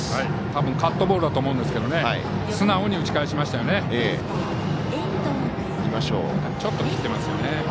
たぶんカットボールだと思うんですけど素直に打ち返しましたよね。